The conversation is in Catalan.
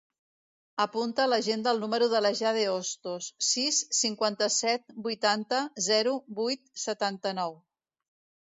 Apunta a l'agenda el número de la Jade Ostos: sis, cinquanta-set, vuitanta, zero, vuit, setanta-nou.